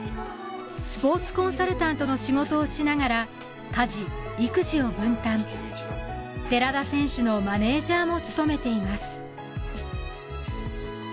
スポーツコンサルタントの仕事をしながら家事育児を分担寺田選手のマネージャーも務めています